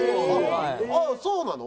あっそうなの？